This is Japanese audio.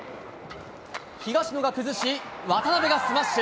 東野が崩し、渡辺がスマッシュ！